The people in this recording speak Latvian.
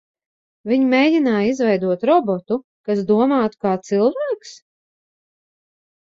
Viņi mēģināja izveidot robotu, kas domātu kā cilvēks?